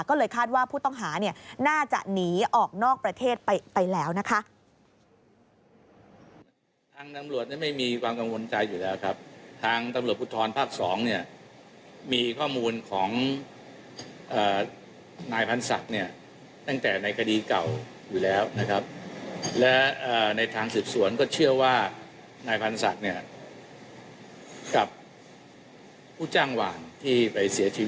ก็เลยคาดว่าผู้ต้องหาเนี่ยน่าจะหนีออกนอกประเทศไปแล้วนะคะ